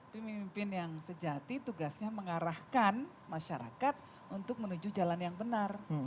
pemimpin yang sejati tugasnya mengarahkan masyarakat untuk menuju jalan yang benar